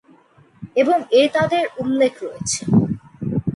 এবং -এ তাদের উল্লেখ রয়েছে।